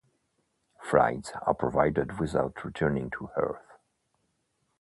Flights are provided without returning to Earth.